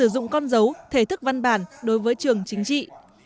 dụng con dấu thể thức văn bản đối với trường chính trị